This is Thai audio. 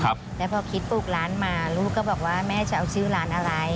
แล้วพอคิดปลูกร้านมาลูกก็บอกว่าแม่จะเอาชื่อร้านอะไร